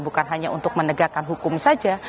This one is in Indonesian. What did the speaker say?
bukan hanya untuk menegakkan hukum saja